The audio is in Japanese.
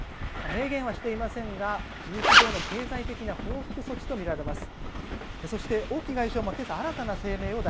明言はしていませんが事実上の経済的な報復措置とみられます。